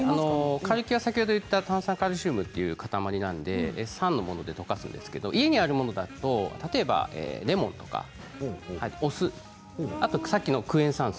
カルキは炭酸カルシウムという塊なので酸のもので溶かすんですが家にあるものですと例えばレモンとかお酢あとはさっきのクエン酸水